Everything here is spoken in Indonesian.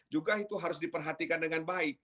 juga itu harus diperhatikan dengan baik